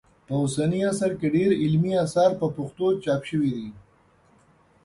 په اوسني عصر کې ډېر علمي اثار په پښتو چاپ سوي دي